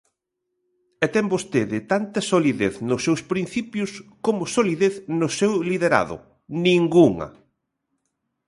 E ten vostede tanta solidez nos seus principios, como solidez no seu liderado: ningunha.